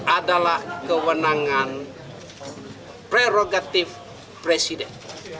adalah kewenangan prerogatif presiden